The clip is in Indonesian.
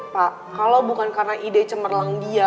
pak kalau bukan karena ide cemerlang dia